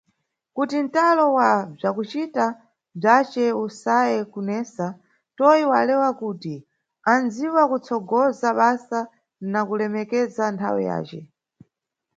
Kuti ntalo wa bzwakucita bzwace usaye kunesa, Toi walewa kuti anʼdziwa kutsogoza basa na kulemekeza nthawe zace.